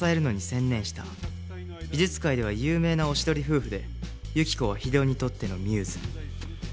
美術界では有名なおしどり夫婦で由希子は英夫にとってのミューズ